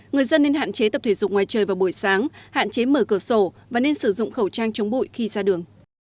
người dân nên hạn chế tập thể dục ngoài trời vào buổi sáng hạn chế mở cửa sổ và nên sử dụng khẩu trang chống bụi khi ra đường